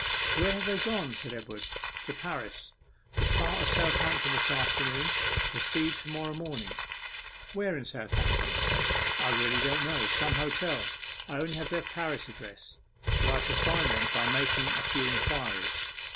'Where have they gone?' said Edward. 'To Paris as far as Southampton this afternoon, to proceed to morrow morning.' 'Where in Southampton?' 'I really don't know some hotel. I only have their Paris address. But I shall find them by making a few inquiries.